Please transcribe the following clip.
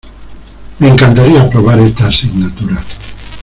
Me encantaría aprobar esta asignatura.